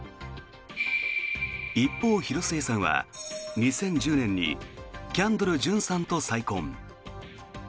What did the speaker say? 一方、広末さんは２０１０年にキャンドル・ジュンさんと再婚。